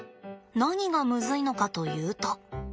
何がむずいのかというと？